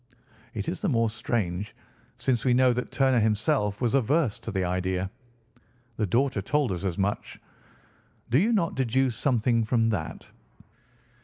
It is the more strange, since we know that Turner himself was averse to the idea. The daughter told us as much. Do you not deduce something from that?"